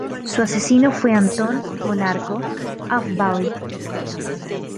Su asesino fue Anton von Arco auf Valley.